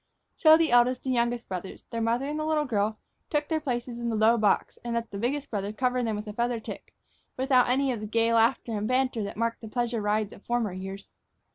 So the eldest and the youngest brothers, their mother and the little girl, took their places in the low box and let the biggest brother cover them with a feather tick, without any of the gay laughter and banter that marked the pleasure rides of former years.